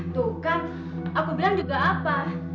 tuh kan aku bilang juga apa